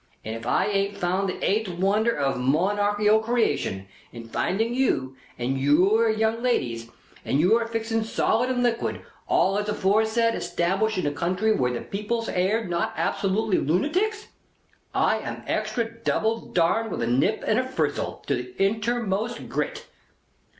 And if I hain't found the eighth wonder of monarchical Creation, in finding Yew, and Yewer young ladies, and Yewer fixin's solid and liquid, all as aforesaid, established in a country where the people air not absolute Loo naticks, I am Extra Double Darned with a Nip and Frizzle to the innermostest grit!